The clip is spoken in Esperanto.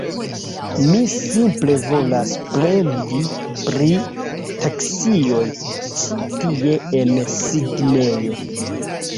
Mi simple volas plendi pri taksioj ĉi tie en Sidnejo.